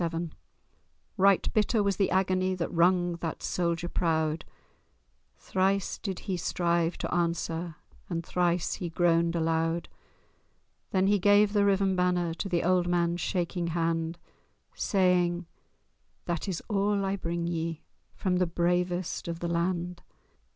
VII Right bitter was the agony That wrung that soldier proud; Thrice did he strive to answer, And thrice he groaned aloud. Then he gave the riven banner To the old man's shaking hand, Saying—"That is all I bring ye From the bravest of the land!